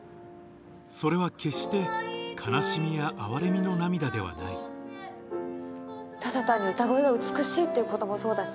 それは決して悲しみや哀れみの涙ではないただ単に歌声が美しいっていうこともそうだし。